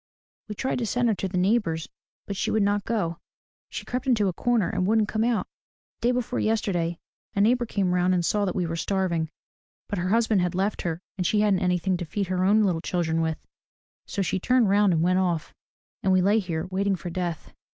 We tried to send her to the neighbor's but she would not go. She crept into a corner and wouldn't come out. Day before yesterday a neighbor came round and saw that we were starving, but her husband had left her and she hadn't anything to feed her own little children with. So she turned round and went off. And we lay here waiting for death."